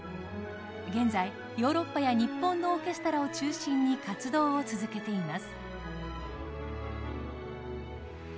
現在ヨーロッパや日本のオーケストラを中心に活動を続けています。